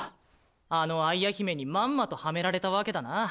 あの愛矢姫にまんまとハメられたわけだな。